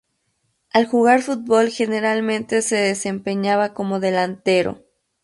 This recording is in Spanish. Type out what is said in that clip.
Al jugar fútbol generalmente se desempeñaba como delantero.